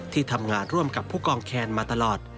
ที่ทำงานร่วมกับผู้กองแคนมาตลอด